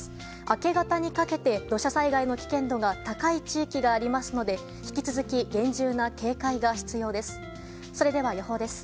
明け方にかけて、土砂災害の危険度が高い地域がありますので引き続き厳重な警戒が必要です。